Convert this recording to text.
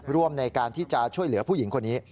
ร่วมในการที่จะช่วยเหลือผู้หญิงคนนี้